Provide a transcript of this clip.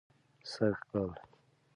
سږ کال